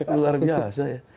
luar biasa ya